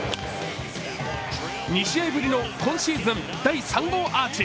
２試合ぶりの今シーズン第３号アーチ。